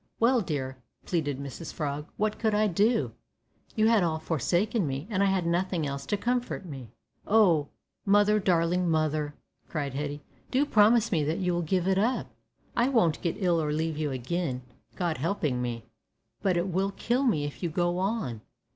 "Well, dear," pleaded Mrs Frog, "what could I do? You had all forsaken me, and I had nothin' else to comfort me." "Oh! mother, darling mother," cried Hetty, "do promise me that you will give it up. I won't get ill or leave you again God helping me; but it will kill me if you go on.